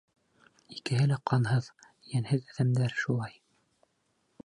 Икеһе лә ҡанһыҙ, йәнһеҙ әҙәмдәр шулай.